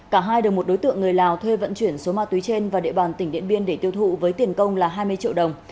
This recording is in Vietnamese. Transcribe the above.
cả hai được một đối tượng người lào thuê vận chuyển số ma túy trên vào địa bàn tỉnh điện biên để tiêu thụ với tiền công là hai mươi triệu đồng